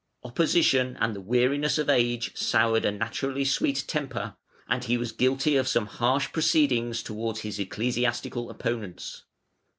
Opposition and the weariness of age soured a naturally sweet temper, and he was guilty of some harsh proceedings towards his ecclesiastical opponents.